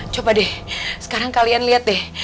coba deh sekarang kalian lihat deh